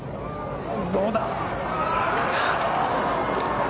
どうだ？